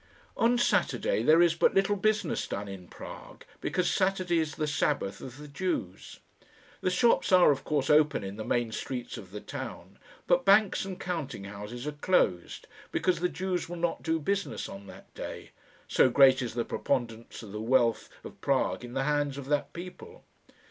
On Saturday there is but little business done in Prague, because Saturday is the Sabbath of the Jews. The shops are of course open in the main streets of the town, but banks and counting houses are closed, because the Jews will not do business on that day so great is the preponderance of the wealth of Prague in the hands of that people!